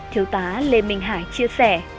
thiếu tá lê minh hải chia sẻ